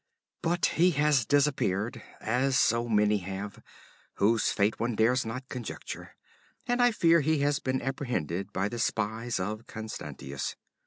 'But he has disappeared, as so many have, whose fate one dares not conjecture, and I fear he has been apprehended by the spies of Constantius.